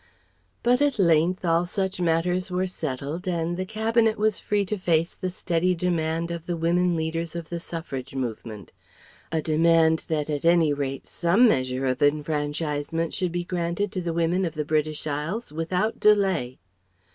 ] But at length all such matters were settled, and the Cabinet was free to face the steady demand of the women leaders of the Suffrage movement; a demand that at any rate some measure of enfranchisement should be granted to the women of the British Isles without delay.